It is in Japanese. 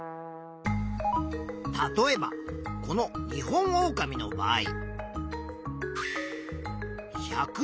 例えばこのニホンオオカミの場合。